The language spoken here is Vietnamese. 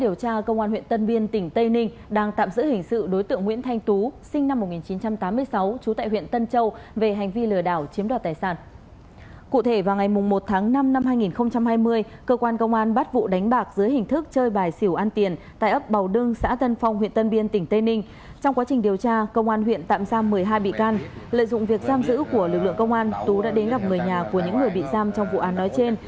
lợi dụng việc giam giữ của lực lượng công an tú đã đến gặp người nhà của những người bị giam trong vụ án nói trên